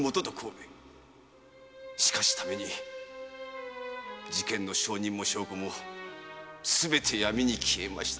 しかしために事件の証人も証拠もすべて闇に消えました。